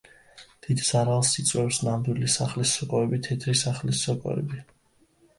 დიდ ზარალს იწვევს ნამდვილი სახლის სოკოები, თეთრი სახლის სოკოები.